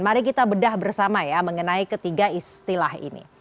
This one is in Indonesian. mari kita bedah bersama ya mengenai ketiga istilah ini